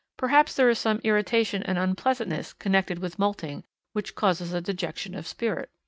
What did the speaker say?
Perhaps there is some irritation and unpleasantness connected with moulting which causes a dejection of spirit.